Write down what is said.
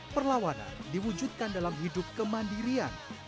perlawanan diwujudkan dalam hidup kemandirian